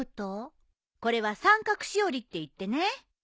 これは三角しおりって言ってね